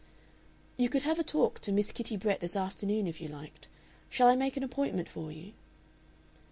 "You could have a talk to Miss Kitty Brett this afternoon, if you liked. Shall I make an appointment for you?"